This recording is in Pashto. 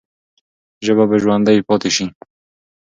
ژبه به ژوندۍ پاتې سي.